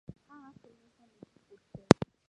Хаан ард түмнээ сайн мэдэх үүрэгтэй.